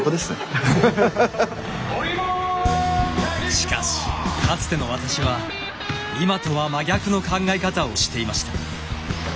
しかしかつての私は今とは真逆の考え方をしていました。